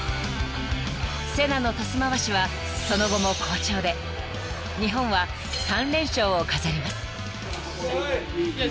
［セナのトス回しはその後も好調で日本は３連勝を飾ります］